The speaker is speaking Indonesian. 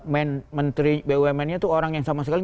menteri bumn nya itu orang yang sama sekali